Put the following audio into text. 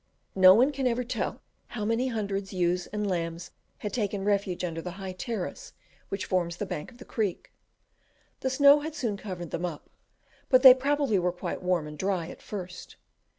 No one can ever tell how many hundred ewes and lambs had taken refuge under the high terrace which forms the bank of the creek. The snow had soon covered them up, but they probably were quite warm and dry at first.